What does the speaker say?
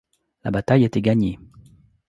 La bataille était gagnée.